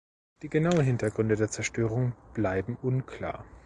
Die genauen Hintergründe der Zerstörung bleiben unklar.